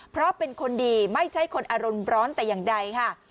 เพราะเป็นคนดีไม่ใช่คนอารมณ์ร้อนแต่อย่างใดค่ะ